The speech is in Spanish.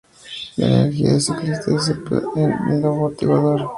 La energía del ciclista se disipa en el amortiguador.